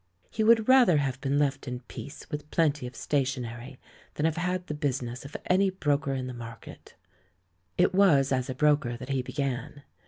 He would rather have been left in peace with plenty of sta tionery than have had the business of any broker in the Market. It was as a broker that he began.